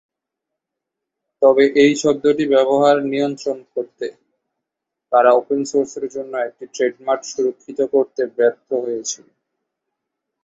তবে এই শব্দটির ব্যবহার নিয়ন্ত্রণ করতে তারা 'ওপেন সোর্স' এর জন্য একটি ট্রেডমার্ক সুরক্ষিত করতে তারা ব্যর্থ হয়েছিল।